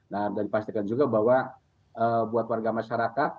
nah dan dipastikan juga bahwa buat warga masyarakat